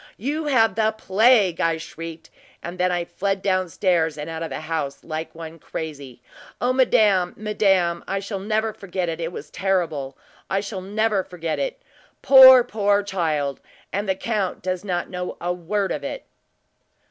`You have the plague!' I shrieked; and then I fled down stairs and out of the house, like one crazy. O madame, madame! I shall never forget it it was terrible! I shall never forget it! Poor, poor child; and the count does not know a word of it!"